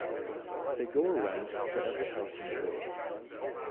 They go around to every house in the village.